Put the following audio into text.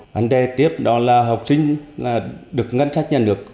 vấn đề tiếp đó là học sinh được ngân sách nhận được